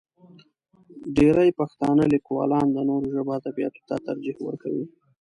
ډېری پښتانه لیکوالان د نورو ژبو ادبیاتو ته ترجیح ورکوي.